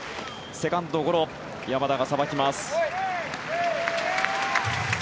セカンドゴロ山田がさばきます。